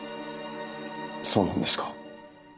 そうなんですか。